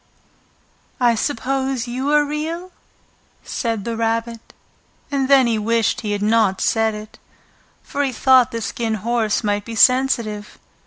"I suppose you are real?" said the Rabbit. And then he wished he had not said it, for he thought the Skin Horse might be sensitive.